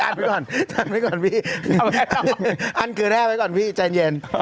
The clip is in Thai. อันกันคือแรกไปก่อนพี่ใจเย็น